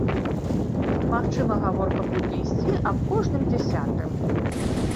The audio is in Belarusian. Магчыма, гаворка будзе ісці аб кожным дзясятым.